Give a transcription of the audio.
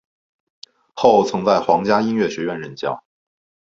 后曾在皇家音乐学院任教。